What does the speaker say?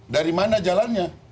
dari mana jalannya